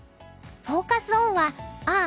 フォーカス・オンは「ああ！